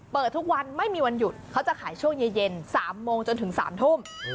เปิดทุกวันไม่มีวันหยุดเขาจะขายช่วงเย็น๓โมงจนถึง๓ทุ่ม